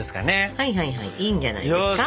はいはいはいいいんじゃないですか。